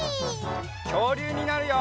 きょうりゅうになるよ！